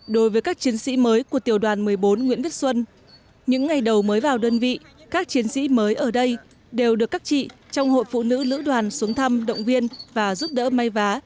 đối với các chiến sĩ mới của tiểu đoàn một mươi bốn nguyễn viết xuân những ngày đầu mới vào đơn vị các chiến sĩ mới ở đây đều được các chị trong hội phụ nữ lữ đoàn xuống thăm động viên và giúp đỡ may vá